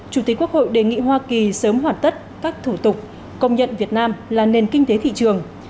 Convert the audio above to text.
chủ tịch quốc hội đề nghị hoa kỳ sớm hoàn tất các thủ tục công nhận việt nam là nền kinh tế thị trường